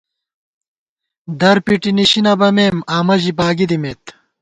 در پِٹی نِشی نہ بَمېم، آمہ ژی باگی دِمېت